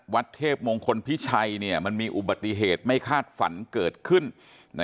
วัดเทพมงคลพิชัยมันมีอุบัติเหตุไม่คาดฝันเกิดขึ้น